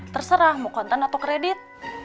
terserah mau konten atau kredit